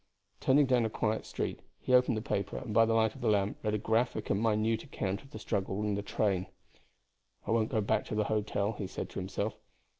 Turning down a quiet street, he opened the paper and by the light of the lamp read a graphic and minute account of the struggle in the train. "I won't go back to the hotel," he said to himself.